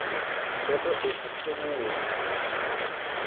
Member of the Civil War.